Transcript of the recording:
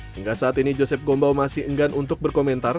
hingga saat ini joseph gombau masih enggan untuk berkomentar